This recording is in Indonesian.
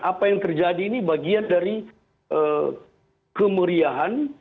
apa yang terjadi ini bagian dari kemeriahan